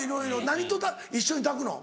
何と一緒に炊くの？